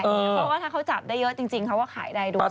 เพราะถ้าเค้าจับได้เยอะจริงเค้าว่าขายได้ด้วย